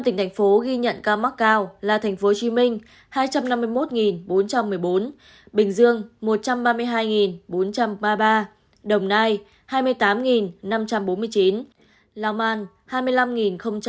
năm tỉnh thành phố ghi nhận ca mắc cao là tp hcm hai trăm năm mươi một bốn trăm một mươi bốn bình dương một trăm ba mươi hai bốn trăm ba mươi ba đồng nai hai mươi tám năm trăm bốn mươi chín lào man hai mươi năm tám mươi năm tiền giang một mươi năm trăm bảy mươi một